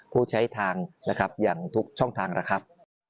ผู้ใช้ทางนะครับอย่างทุกช่องทางนะครับ